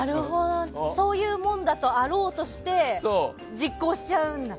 そういうものであろうとして実行しちゃうんだ。